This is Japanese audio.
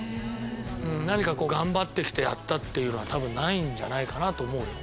何か頑張ってやったというのは多分ないんじゃないかと思うよ。